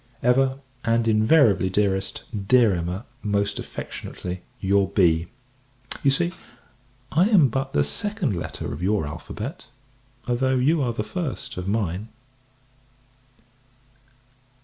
Ever, and invariably, dearest, dear Emma, most affectionately, your B. You see, I am but the second letter of your alphabet, though you are the first of mine.